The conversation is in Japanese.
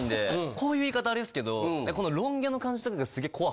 こういう言い方はアレですけど。